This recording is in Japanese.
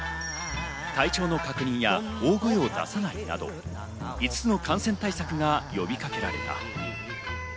体調の確認や大声を出さないなど、５つの感染対策が呼びかけられた。